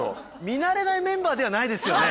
見慣れないメンバーではないですよね？